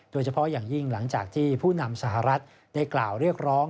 โดยเฉพาะอย่างยิ่งหลังจากที่ผู้นำสหรัฐได้กล่าวเรียกร้อง